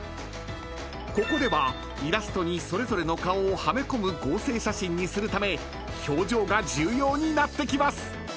［ここではイラストにそれぞれの顔をはめ込む合成写真にするため表情が重要になってきます］